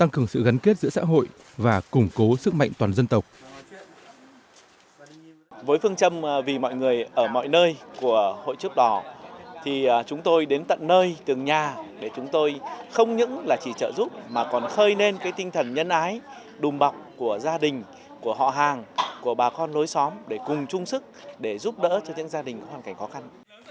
chúng tôi đến tận nơi từng nhà để chúng tôi không những là chỉ trợ giúp mà còn khơi lên tinh thần nhân ái đùm bọc của gia đình của họ hàng của bà con nối xóm để cùng chung sức để giúp đỡ cho những gia đình có hoàn cảnh khó khăn